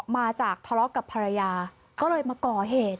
มาจากทะเลาะกับภรรยาก็เลยมาก่อเหตุ